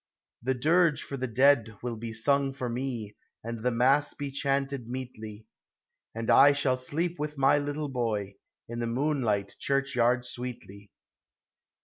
The dirge for the dead will be sung for me, And the mass be chanted meetly, And I shall sleep with my little boy, In the moonlight churchyard sweetly.